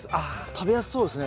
食べやすそうですね